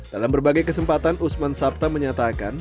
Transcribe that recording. dalam berbagai kesempatan usman sabta menyatakan